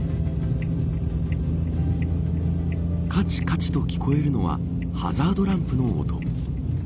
カチカチと聞こえるのはハザードランプの音。